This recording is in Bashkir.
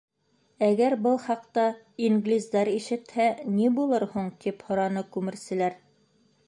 — Әгәр был хаҡта инглиздәр ишетһә, ни булыр һуң? — тип һораны күмерселәр.